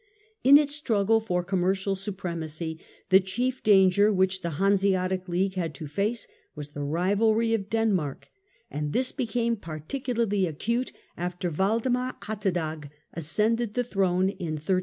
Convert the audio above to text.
In its struggle for commercial supremacy the chief danger which the Hanseatic League had to face was the rivalry of Denmark ; and this became particularly acute after Waldemar Atterdag ascended the throne in 1340.